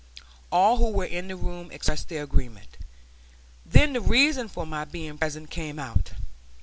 All who were in the room expressed their agreement. Then the reason for my being present came out.